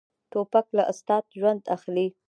توپک له استاد ژوند اخلي.